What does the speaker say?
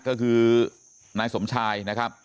ก็คือนายสมชาย